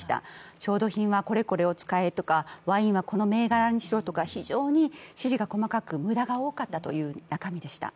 調度品はこれこれを使えとか、ワインはこの銘柄にしろとか、非常に指示が細かく無駄が多かったという中身でした。